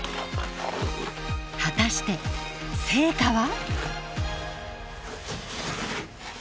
果たして成果は？